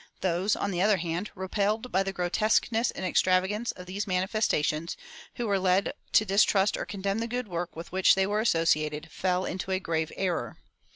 Those, on the other hand, repelled by the grotesqueness and extravagance of these manifestations, who were led to distrust or condemn the good work with which they were associated, fell into a graver error.